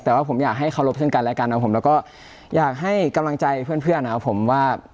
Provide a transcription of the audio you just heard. แต่ว่าผมอยากให้เคารพซึ่งกันและกันนะครับผมแล้วก็อยากให้กำลังใจเพื่อนนะครับผมว่า